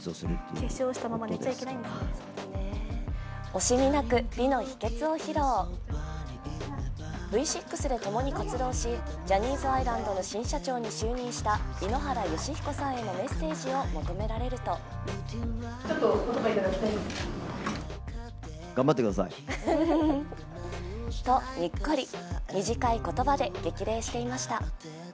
惜しみなく美の秘訣を披露Ｖ６で共に活動し、ジャニーズアイランドの新社長に就任した井ノ原快彦さんへのメッセージを求められるととにっこり、短い言葉で激励していました。